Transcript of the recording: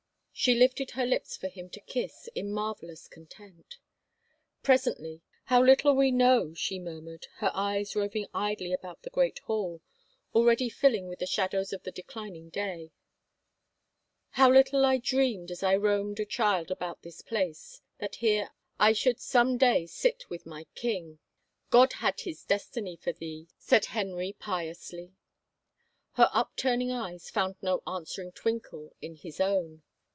She lifted her lips for him to kiss, in marvelous con tent. Presently, " How little we know," she murmured, her eyes roving idly about the great hall, already filling with the shadows of the declining day, " How little I dreamed, as I roamed a child about this place, that here I should some day sit with my king !"" God had his destiny for thee," said Henry piously. Her upturning eyes found no answering twinkle in his own.